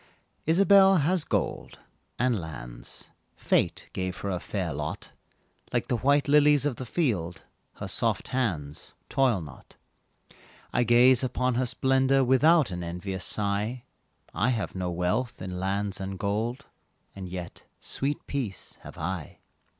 Isabelle has gold, and lands, Fate gave her a fair lot; Like the white lilies of the field Her soft hands toil not. I gaze upon her splendor Without an envious sigh; I have no wealth in lands and gold, And yet sweet peace have I.